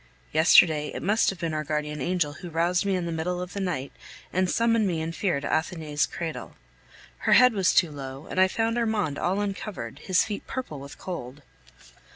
Yesterday, it must have been our guardian angel who roused me in the middle of the night and summoned me in fear to Athenais' cradle. Her head was too low, and I found Armand all uncovered, his feet purple with cold.